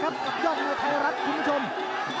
ตอนนี้มันถึง๓